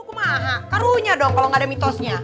kukumaha karunya dong kalo ga ada mitosnya